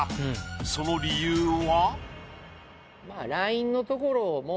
その理由は？